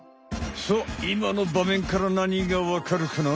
さあいまのばめんから何がわかるかな？